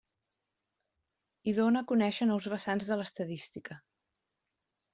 Hi dóna a conèixer nous vessants de l’Estadística.